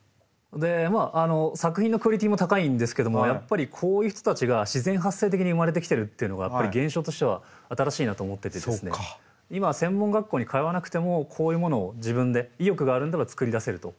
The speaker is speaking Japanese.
まあ作品のクオリティーも高いんですけどもやっぱりこういう人たちが自然発生的に生まれてきてるっていうのが現象としては新しいなと思ってて今は専門学校に通わなくてもこういうものを自分で意欲があれば作り出せると。